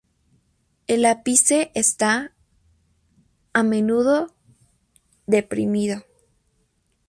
El ápice está, a menudo, deprimido.